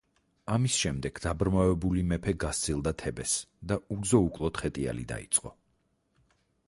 ამის შემდეგ დაბრმავებული მეფე გასცილდა თებეს და უგზო–უკვლოდ ხეტიალი დაიწყო.